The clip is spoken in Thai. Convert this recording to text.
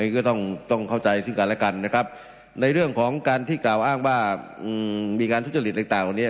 ก็ต้องเข้าใจซึ่งกันและกันนะครับในเรื่องของการที่กล่าวอ้างว่ามีการทุจริตอะไรต่างเหล่านี้